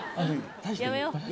大して。